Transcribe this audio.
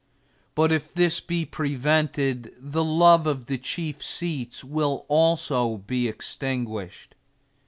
But if this be prevented the love of the chief seats will also be extinguished.